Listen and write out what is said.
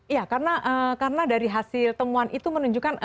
iya karena dari hasil temuan itu menunjukkan